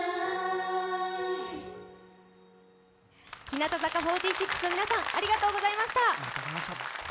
日向坂４６の皆さんありがとうございました。